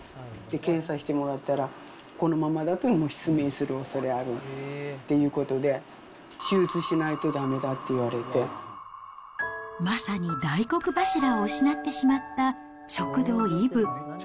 検査してもらったら、このままだと失明するおそれあるっていうことで、手術しないとだまさに大黒柱を失ってしまった食堂いぶ。